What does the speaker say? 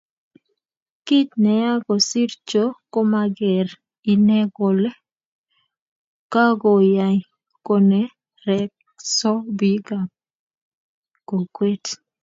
Kit neya kosiir cho komageere ine kole kagoyay konerekso bikap kokwet